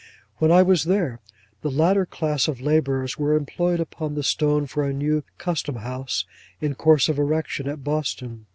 When I was there, the latter class of labourers were employed upon the stone for a new custom house in course of erection at Boston.